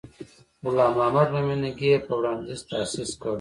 غلام محمد میمنګي یې په وړاندیز تأسیس کړ.